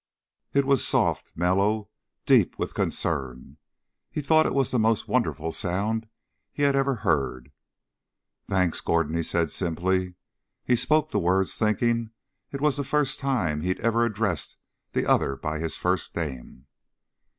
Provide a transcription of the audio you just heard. It was soft, mellow, deep with concern. He thought it was the most wonderful sound he had ever heard. "Thanks, Gordon," he said simply. He spoke the words thinking it was the first time he'd ever addressed the other by his first name.